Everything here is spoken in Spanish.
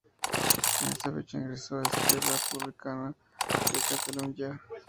En esa fecha ingresó en Esquerra Republicana de Catalunya.